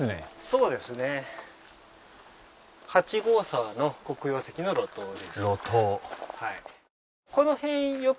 そうですね八号沢の黒曜石の露頭です